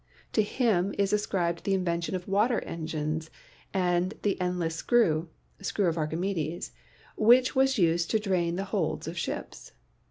To him is ascribed the invention of war engines and the endless screw ("screw of Archimedes") which was used to drain the holds of ships.